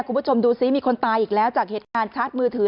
คุณผู้ชมดูซิมีคนตายอีกแล้วจากเหตุการณ์ชาร์จมือถือ